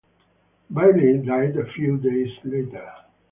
Bailey died a few days later.